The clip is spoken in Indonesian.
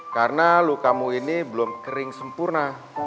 karena lukamu ini belum kering sempurna